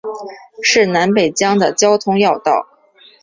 是南北疆的交通要道。